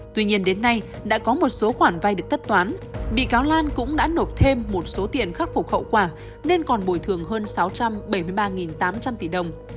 tuy nhiên đến nay đã có một số khoản vay được tất toán bị cáo lan cũng đã nộp thêm một số tiền khắc phục hậu quả nên còn bồi thường hơn sáu trăm bảy mươi ba tám trăm linh tỷ đồng